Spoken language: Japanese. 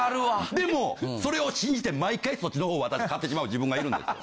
でもそれを信じて毎回そっちの方を買ってしまう自分がいるんですよ。